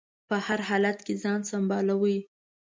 په هر حالت ځان سنبالوي.